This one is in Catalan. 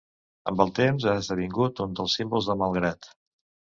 Amb el temps ha esdevingut uns dels símbols de Malgrat.